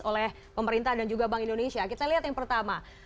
oleh pemerintah dan juga bank indonesia kita lihat yang pertama